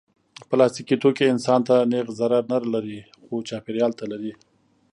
پلاستيکي توکي انسان ته نېغ ضرر نه لري، خو چاپېریال ته لري.